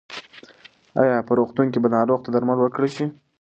ایا په روغتون کې به ناروغ ته درمل ورکړل شي؟